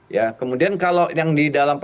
ya kemudian kalau yang di dalam